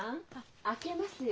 開けますよ。